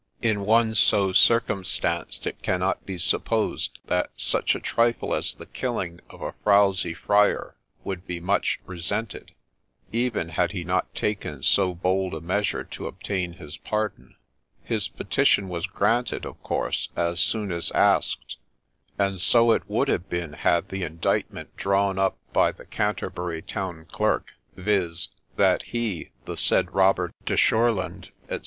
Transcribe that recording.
In one so circumstanced it cannot be supposed that such a trifle as the killing of a frowzy friar would be much resented, even had he not taken so bold a measure to obtain his pardon. His petition was granted, of course, as soon as asked ; and so it would have been had the indictment drawn up by the Canter bury town clerk, viz., ' That he, the said Robert de Shurland, &o.